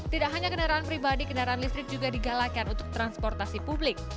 tidak hanya kendaraan pribadi kendaraan listrik juga digalakan untuk transportasi publik